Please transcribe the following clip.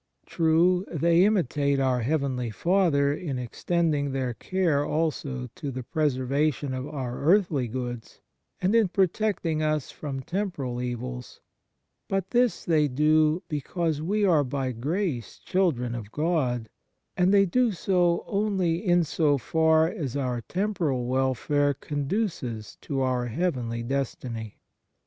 True, they imitate our heavenly Father in extending their care also to the preserva tion of our earthly goods, and in protect 124 ON SOME PREROGATIVES OF GRACE ing us from temporal evils; but this they do because we are by grace children of God, and they do so only in so far as our temporal welfare conduces to our heavenly destiny.